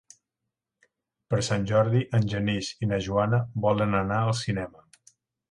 Per Sant Jordi en Genís i na Joana volen anar al cinema.